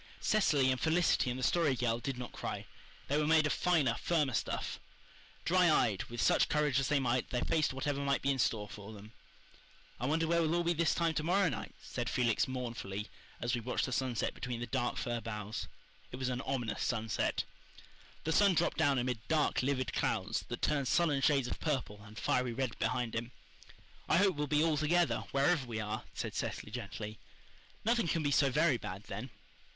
Cecily and Felicity and the Story Girl did not cry. They were made of finer, firmer stuff. Dry eyed, with such courage as they might, they faced whatever might be in store for them. "I wonder where we'll all be this time to morrow night," said Felix mournfully, as we watched the sunset between the dark fir boughs. It was an ominous sunset. The sun dropped down amid dark, livid clouds, that turned sullen shades of purple and fiery red behind him. "I hope we'll be all together, wherever we are," said Cecily gently. "Nothing can be so very bad then."